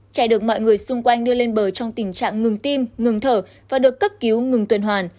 trẻ được mọi người xung quanh đưa lên bờ trong tình trạng ngừng tim ngừng thở và được cấp cứu ngừng tuyển hoàn